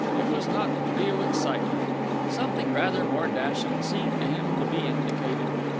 It was not real excitement. Something rather more dashing seemed to him to be indicated.